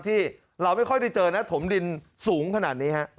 ที่เราไม่ค่อยได้เจอนะถมดินสูงขนาดนี้ฮะ